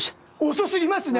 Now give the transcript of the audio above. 遅過ぎますね！